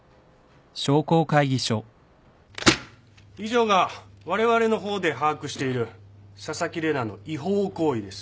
以上がわれわれの方で把握している紗崎玲奈の違法行為です。